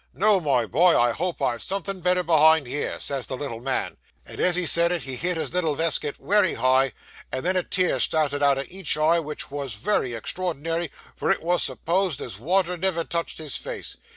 "No, my boy; I hope I've somethin' better behind here," says the little man; and as he said it he hit his little vesket wery hard, and then a tear started out o' each eye, which wos wery extraordinary, for it wos supposed as water never touched his face.